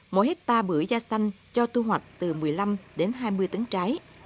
mỗi hectare bưởi da xanh cho thu hoạch từ một mươi năm đến hai mươi tấn trái